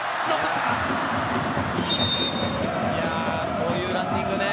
こういうランニングね。